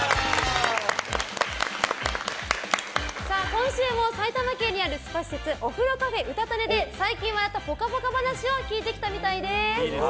今週も埼玉県にあるスパ施設おふろｃａｆｅｕｔａｔａｎｅで最近笑った、ぽかぽか話を聞いてきたみたいです。